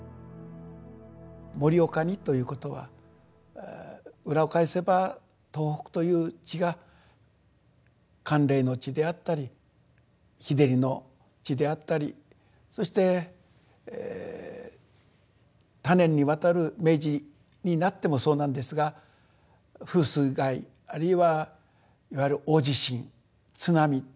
盛岡にということは裏を返せば東北という地が寒冷の地であったり日照りの地であったりそして多年にわたる明治になってもそうなんですが風水害あるいはいわゆる大地震津波。